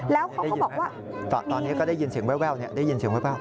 แล้วเขาบอกว่าตอนนี้ก็ได้ยินเสียงแววเนี่ยได้ยินเสียงแวว